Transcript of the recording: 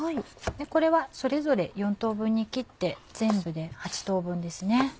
これはそれぞれ４等分に切って全部で８等分ですね。